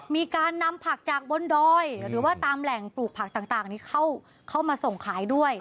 มีการนำผักจากบนดอยหรือว่าตามแหล่งปลูกผักต่างนี้เข้ามาส่งขายด้วย